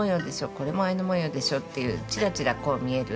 「これもアイヌ文様でしょ」っていうちらちらこう見える。